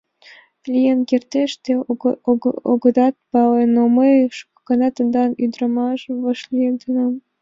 — Лийын кертеш, те огыдат пале, но мый шуко гана тендан ӱдырдам вашлиеденам.